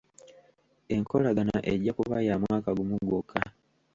Enkolagana ejja kuba ya mwaka gumu gwokka.